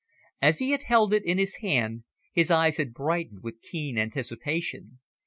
As he had held it in his hand, his eyes had brightened with keen anticipation.